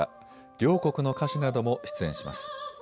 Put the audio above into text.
両国の歌手なども出演します。